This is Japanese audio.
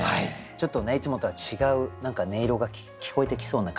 ちょっとねいつもとは違う音色が聞こえてきそうな。